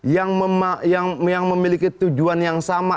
yang memiliki tujuan yang sama